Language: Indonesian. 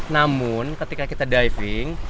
namun ketika kita diving